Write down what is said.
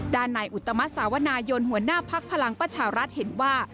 ด้านนายอุตมัติสาวนายนหัวหน้าพักพลังประชารัฐเห็นว่า